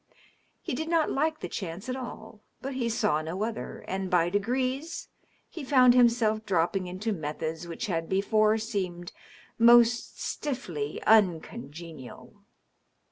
He did not like the chance at all, but he saw no other, and by degrees he found himself dropping into methods which had before seemed most stiffly uncongenial.